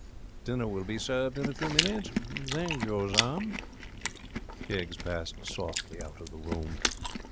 Dinner will be served in a few minutes. Thank you, sir.' He passed softly out of the room.